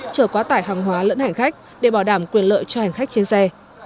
chở quá tải hàng hóa lẫn hành khách để bảo đảm quyền lợi cho hành khách trên xe